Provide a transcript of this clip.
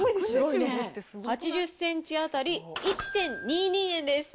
８０センチ当たり１．２２円です。